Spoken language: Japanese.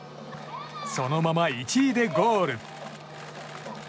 そのまま１位でゴール。